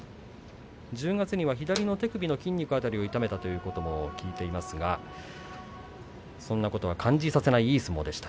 １０月には左の手首の筋肉辺りを痛めたということも聞いていますがそんなことは感じさせないいい相撲でした。